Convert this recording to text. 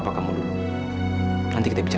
kita nggak perlu khawatir